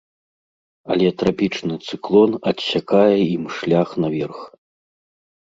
Але трапічны цыклон адсякае ім шлях наверх.